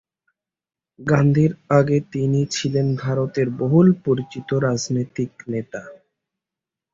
গান্ধীর আগে তিনি ছিলেন ভারতের বহুল পরিচিত রাজনৈতিক নেতা।